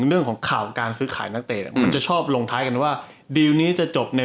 เรื่องของข่าวการซื้อขายนักเตะมันจะชอบลงท้ายกันว่าดีลนี้จะจบใน